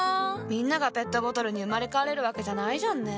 みんながペットボトルに生まれ変われるわけじゃないじゃんね。